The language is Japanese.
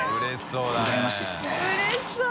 うれしそう。